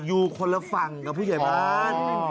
อยู่คนละฝั่งกับผู้ใหญ่บ้าน